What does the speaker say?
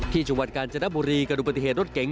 จังหวัดกาญจนบุรีกระดูกปฏิเหตุรถเก๋ง